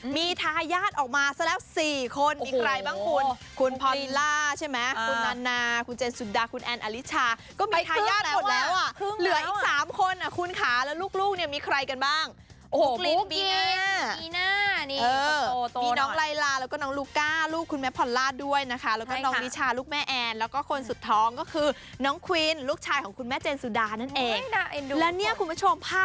มีทายาทออกมาสักแค่สี่คนมีใครบ้างคุณคุณพอลล่าใช่ไหมคุณนานาคุณเจนสุดาคุณแอนด์อลิชา